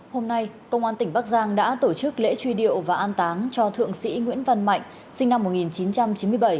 hôm nay công an tỉnh bắc giang đã tổ chức lễ truy điệu và an táng cho thượng sĩ nguyễn văn mạnh sinh năm một nghìn chín trăm chín mươi bảy